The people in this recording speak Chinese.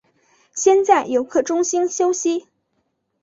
先在游客中心休息